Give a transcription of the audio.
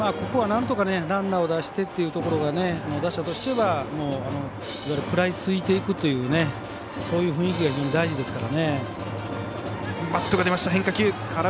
ここはなんとかランナーを出してというところが打者としては、いわゆる食らいついていくというそういう雰囲気が非常に大事ですからね。